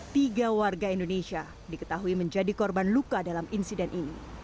tiga warga indonesia diketahui menjadi korban luka dalam insiden ini